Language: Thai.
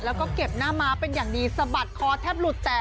แล้วก็เก็บหน้าม้าเป็นอย่างดีสะบัดคอแทบหลุดแต่